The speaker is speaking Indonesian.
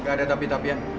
gak ada tapi tapian